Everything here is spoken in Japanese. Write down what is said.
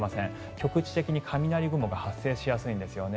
局地的に雷雲が発生しやすいんですよね。